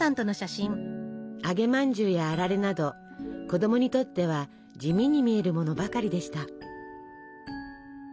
揚げまんじゅうやあられなど子供にとっては地味に見えるものばかりでした。